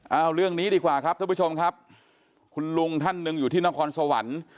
เอาเรื่องนี้ดีกว่าครับท่านผู้ชมครับคุณลุงท่านหนึ่งอยู่ที่นครสวรรค์